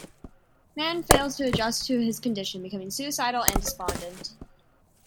Mann fails to adjust to his condition, becoming suicidal and despondent.